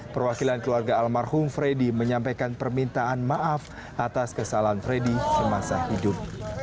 perwakilan keluarga almarhum freddy menyampaikan permintaan maaf atas kesalahan freddy semasa hidup